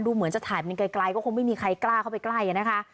เหมือนจะถ่ายมันไกลก็คงไม่มีใครกล้าเข้าไปใกล้นะคะ